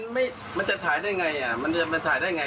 มันจะถ่ายได้ไง